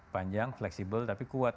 panjang fleksibel tapi kuat